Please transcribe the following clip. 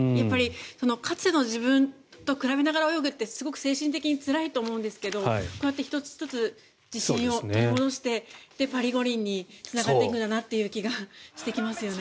過去の自分と比べながら泳ぐって精神的につらいと思うんですけどこうやって１つ１つ自信を取り戻してパリ五輪につながっていくんだなという気がしてきますよね。